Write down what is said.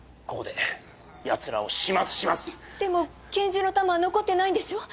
でも拳銃の弾は残ってないんでしょう？